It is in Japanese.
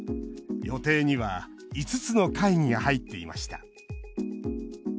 予定には５つの会議が入っていました。